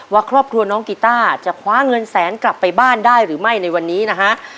ว่าครอบครัวน้องกีต้าจะคว้าเงินแสนกลับไปบ้านได้หรือไม่ในวันนี้นะฮะ